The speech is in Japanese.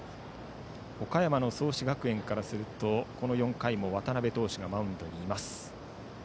岡山の創志学園からするとこの４回も渡部投手がマウンドにいます。